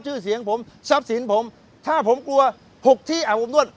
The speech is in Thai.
ชื่อเสียงผมทรัพย์สินผมถ้าผมกลัว๖ที่อาบอบนวด